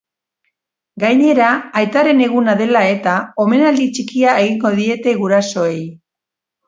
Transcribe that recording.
Gainera, aitaren eguna dela-eta, omenaldi txikia egingo diete gurasoei.